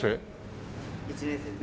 １年生です。